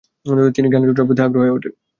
তিনি জ্ঞান চর্চার প্রতি আগ্রহী হয়ে উঠেন।